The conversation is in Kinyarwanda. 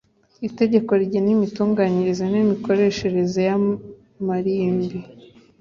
itegeko rigena imitunganyirize n imikoreshereze y amarimbi